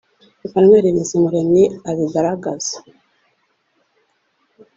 Emmanuel Bizumuremyi abigaragaza